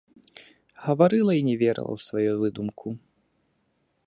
Гаварыла і не верыла ў сваю выдумку.